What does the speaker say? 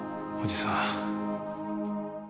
おじさん。